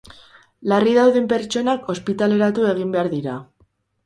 Larri dauden pertsonak ospitaleratu egin behar dira.